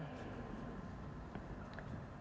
pak teddy bilang ini pak teddy yang minta fee seratus miliar